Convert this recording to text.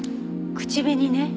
口紅ね。